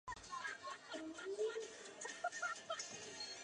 他与法国左翼政党过从甚密。